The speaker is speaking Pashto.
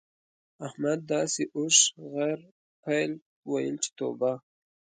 احمد داسې اوښ، غر، پيل؛ ويل چې توبه!